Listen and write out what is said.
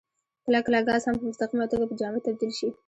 کله کله ګاز هم په مستقیمه توګه په جامد تبدیل شي.